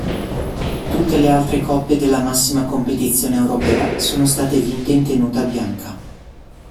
Tutte le altre coppe della massima competizione europea sono state vinte in tenuta bianca.